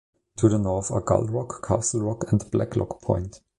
To the north are Gull Rock, Castle Rock, and Blacklock Point.